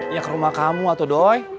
ya ke rumah kamu atau doy